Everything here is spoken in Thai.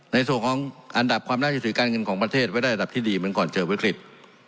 ในส่วนของอันดับความน่าจะถือการเงินของประเทศไว้ได้ระดับที่ดีเหมือนก่อนเจอวิกฤต